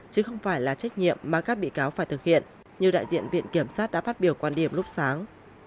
chứ không phải là trách nhiệm mà các bị cáo phải thực hiện như đại diện viện kiểm sát đã phát biểu quan điểm lúc sáng